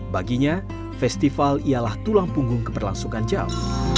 baginya festival ialah tulang punggung keberlangsungan jav